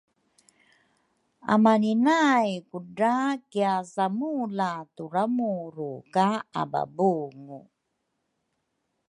Amani nay kudra kiasamula turamuru ka ababungu